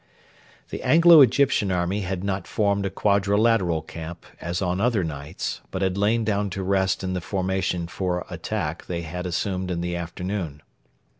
The Anglo Egyptian army had not formed a quadrilateral camp, as on other nights, but had lain down to rest in the formation for attack they had assumed in the afternoon.